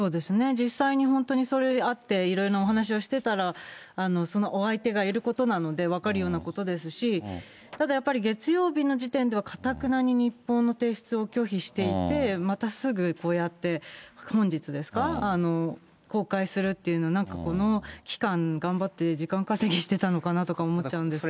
実際に本当にそれで会っていろいろなお話をしてたら、そのお相手がいることなので、分かるようなことですし、ただやっぱり月曜日の時点ではかたくなに日報の提出を拒否していて、またすぐこうやって、本日ですか、公開するっていうの、なんかこの期間、頑張って時間稼ぎしてたのかなって思っちゃうんですけど。